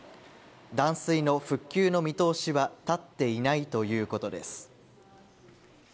断水の復旧の見通しは立っていないということです。